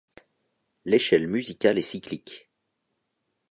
L'échelle musicale est cyclique.